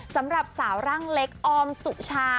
สำหรับสาวร่างเล็กออมสุชา